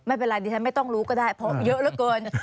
ไม่เป็นไรดิฉันไม่ต้องรู้ก็ได้เพราะเยอะเหลือเกิน